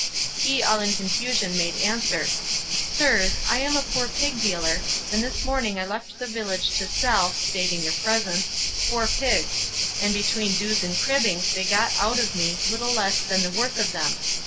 He all in confusion made answer, "Sirs, I am a poor pig dealer, and this morning I left the village to sell (saving your presence) four pigs, and between dues and cribbings they got out of me little less than the worth of them.